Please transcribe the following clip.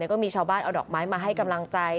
ก็มีชาวบ้านเอาดอกไม้มาให้กำลังใจ